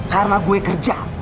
karena gue kerja